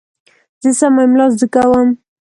زه سمه املا زده کوم.